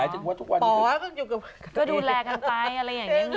อยู่ไม่ใช่หรอ